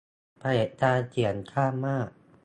เผด็จการเสียงข้างมาก